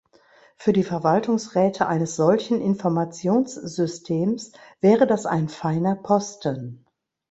Für die Verwaltungsräte eines solchen Informationssystems wäre das ein feiner Posten.